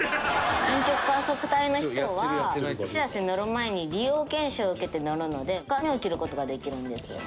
南極観測隊の人は「しらせ」に乗る前に理容研修を受けて乗るので髪を切る事ができるんですよ。